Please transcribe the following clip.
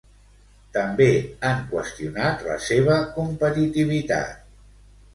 També han qüestionat la seva competitivitat.